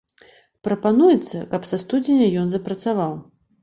Прапануецца, каб са студзеня ён запрацаваў.